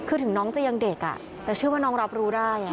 คือถึงน้องจะยังเด็กแต่เชื่อว่าน้องรับรู้ได้